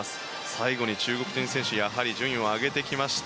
最後に中国人選手やはり順位を上げてきました。